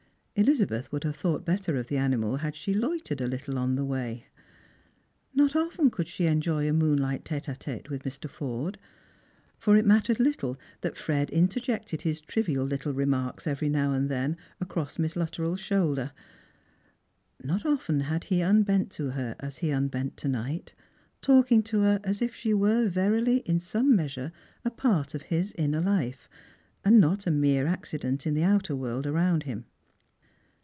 Elizabeth would have thought better of the animal had she loitered a little on the way. Not often could she enjoy a moonlight tete a tete with Mr. Forde — for it mattered little that Fred interjected his trivial little remarks every now and then across Miss Luttrell's shoulder; not often had he unbent to her as he unbent to night, talking to her as if she were verily in some measure a ])art of his inner life, and not a mere accident in the outer world around him.